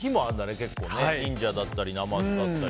結構ね忍者だったり、ナマズだったり。